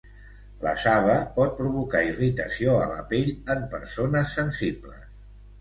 La saba pot provocar irritació a la pell en persones sensibles.